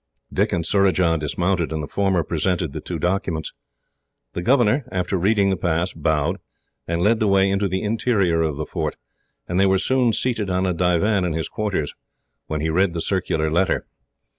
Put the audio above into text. Dick and Surajah dismounted, and the former presented the two documents. The governor, after reading the pass, bowed, and led the way into the interior of the fort; and they were soon seated on a divan in his quarters, when he read the circular letter.